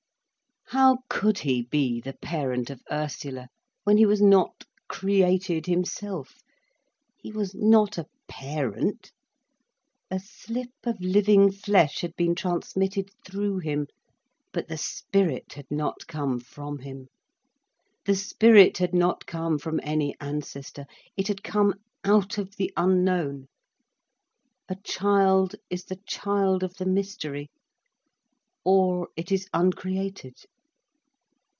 How could he be the parent of Ursula, when he was not created himself. He was not a parent. A slip of living flesh had been transmitted through him, but the spirit had not come from him. The spirit had not come from any ancestor, it had come out of the unknown. A child is the child of the mystery, or it is uncreated.